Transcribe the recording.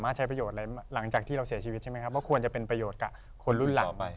ว่าวันนึงก็คงบริจาคเหมือนกัน